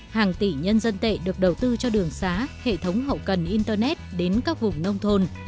hàng tỷ nhân dân tệ được đầu tư cho đường xá hệ thống hậu cần internet đến các vùng nông thôn